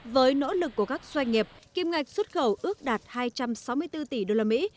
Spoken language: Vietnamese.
với nỗ lực của các doanh nghiệp kim ngạch xuất khẩu ước đạt hai trăm sáu mươi bốn tỷ đô la mỹ